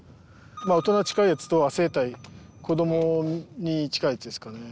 大人に近いやつと亜成体子どもに近いやつですかね。